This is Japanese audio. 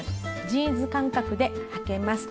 ジーンズ感覚ではけます。